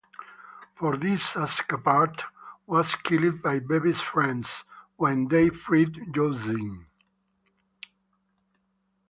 For this Ascapart was killed by Bevis' friends when they freed Josiane.